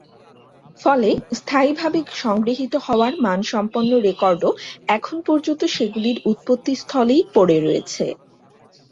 ফলে, স্থায়ীভাবে সংগৃহীত হওয়ার মানসম্পন্ন রেকর্ডও এখন পর্যন্ত সেগুলির উৎপত্তিস্থলেই পড়ে রয়েছে।